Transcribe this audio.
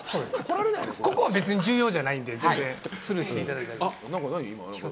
ここは全然重要じゃないんで、スルーしていただいて。